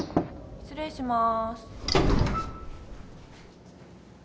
失礼します